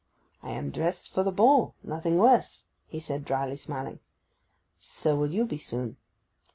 'I am dressed for the ball—nothing worse,' he said, drily smiling. 'So will you be soon.